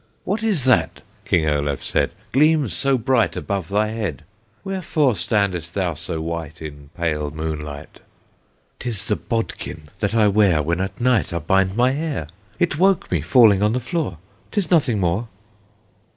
"What is that," King Olaf said, "Gleams so bright above thy head? Wherefore standest thou so white In pale moonlight?" "'Tis the bodkin that I wear When at night I bind my hair; It woke me falling on the floor; 'Tis nothing more."